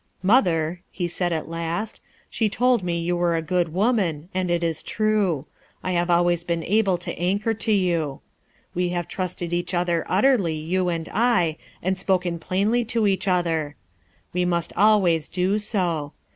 "Mother," he said at last, "she told me you were a good woman, and it is true. I have al ways been able to anchor to you. Wc have trusted each other utterly, you and I, and spoken plainly to each other; wc must always do so.